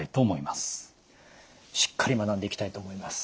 しっかり学んでいきたいと思います。